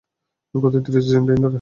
গত ত্রিশ দিন ধরে।